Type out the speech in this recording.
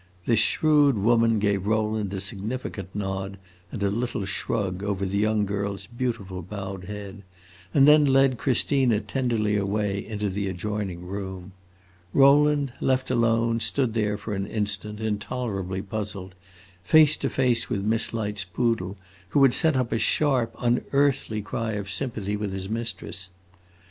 This shrewd woman gave Rowland a significant nod, and a little shrug, over the young girl's beautiful bowed head, and then led Christina tenderly away into the adjoining room. Rowland, left alone, stood there for an instant, intolerably puzzled, face to face with Miss Light's poodle, who had set up a sharp, unearthly cry of sympathy with his mistress.